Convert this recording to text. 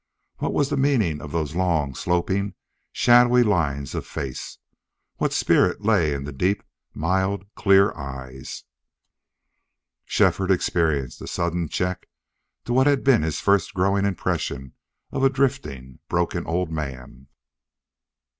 What was the meaning of those long, sloping, shadowy lines of the face? What spirit lay in the deep, mild, clear eyes? Shefford experienced a sudden check to what had been his first growing impression of a drifting, broken old man.